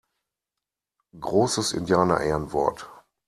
Großes Indianerehrenwort!